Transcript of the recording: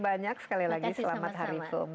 banyak sekali lagi selamat hari film